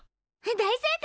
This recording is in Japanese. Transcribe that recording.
大正解！